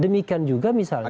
demikian juga misalnya